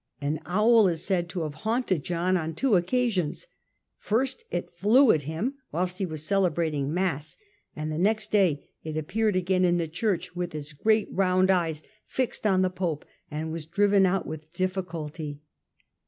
An owl is said to have haunted John on two occasions. First it flew at him whilst he was celebrating Mass, and the next day it appeared again in the church, with its great round eyes fixed on the Pope, and was driven out with difficulty.